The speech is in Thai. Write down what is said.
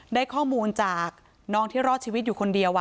ได้ข้อมูลจากน้องที่รอดชีวิตอยู่คนเดียว